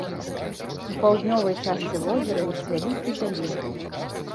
У паўднёвай частцы возера ёсць вялікі заліў.